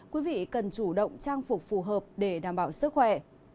quý vị cần chủ động trang phục phù hợp để đảm bảo sức khỏe